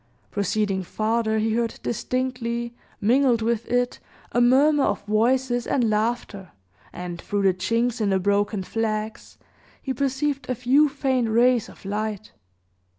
Proceeding farther, he heard distinctly, mingled with it, a murmur of voices and laughter, and, through the chinks in the broken flags, he perceived a few faint rays of light.